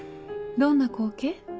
どんな光景？